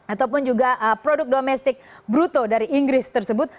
ataupun juga produk domestik bruto dari inggris tersebut